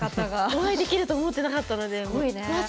お会いできると思ってなかったのでいや